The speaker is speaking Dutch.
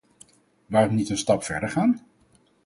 Waarom niet een stap verder gaan?